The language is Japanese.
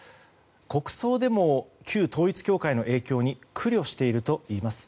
国葬でも旧統一教会の影響に苦慮しているといいます。